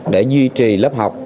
để duy trì lớp học